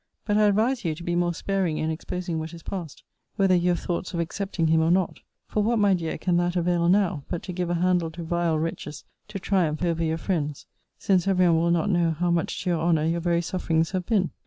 But I advise you to be more sparing in exposing what is past, whether you have thoughts of accepting him or not: for what, my dear, can that avail now, but to give a handle to vile wretches to triumph over your friends; since every one will not know how much to your honour your very sufferings have been?